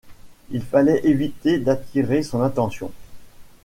Il fallait éviter d’attirer son attention.